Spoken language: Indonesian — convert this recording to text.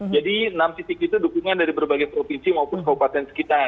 jadi enam titik itu dukungan dari berbagai provinsi maupun kabupaten sekitar